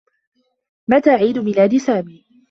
متى عيد ميلاد سامي؟